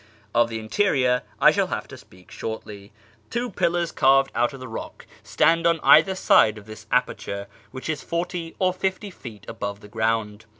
Of the interior I shall have to speak shortly. Two pillars carved out of the rock stand on either side of this aperture, which is forty or fifty feet above the ground.